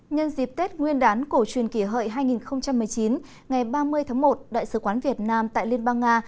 nhân dịp tết nguyên đán cổ truyền kỷ hợi hai nghìn một mươi chín ngày ba mươi tháng một đại sứ quán việt nam tại liên bang nga